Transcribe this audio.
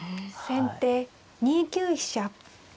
先手２九飛車。